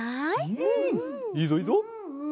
うんいいぞいいぞ。